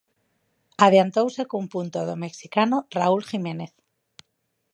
Adiantouse cun punto do mexicano Raúl Jiménez.